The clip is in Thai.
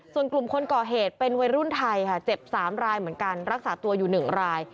ส่วนกลุ่มคนก่อเหตุเป็นวัยรุ่นไทยค่ะเจ็บ๓รายเหมือนกันรักษาตัวอยู่๑ราย